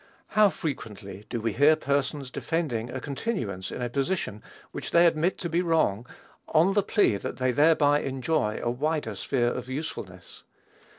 How frequently do we hear persons defending a continuance in a position which they admit to be wrong, on the plea that they thereby enjoy a wider sphere of usefulness.